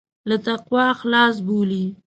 له تقوا خلاص بولي.